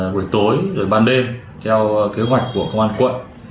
buổi tối ban đêm theo kế hoạch của công an quận